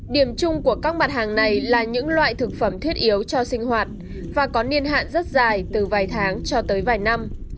điểm chung của các mặt hàng này là những loại thực phẩm thiết yếu cho sinh hoạt và có niên hạn rất dài từ vài tháng cho tới vài năm